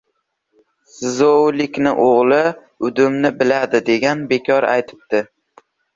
— Szoulikning o‘g‘li udumni biladi, degan bekor aytibdi.